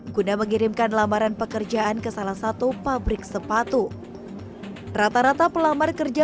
guna mengirimkan lamaran pekerjaan ke salah satu pabrik sepatu rata rata pelamar kerja